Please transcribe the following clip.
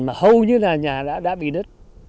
mà hầu như là nhà đã bị nứt